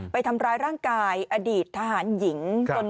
ไปทำร้ายร่างกายอดีตทหารหญิง